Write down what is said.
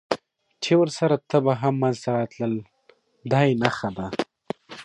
چې ورسره تبه هم منځته راتلل، دا یې نښه ده.